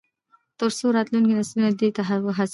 تر څو راتلونکي نسلونه دې ته وهڅوي.